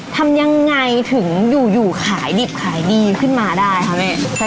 ทำยังไงถึงอยู่ขายดิบขายดีขึ้นมาได้ค่ะแม่